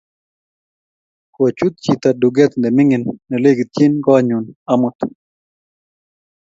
kochut chito duket na mining na lekitjini koot nyu amut